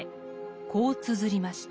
こうつづりました。